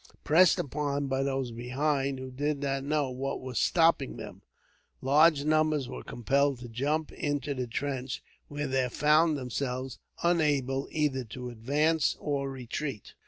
Pressed upon by those behind, who did not know what was stopping them, large numbers were compelled to jump into the trench, where they found themselves unable either to advance or retreat.